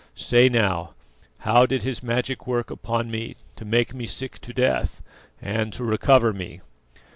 Say now, how did His magic work upon me to make me sick to death and to recover me?"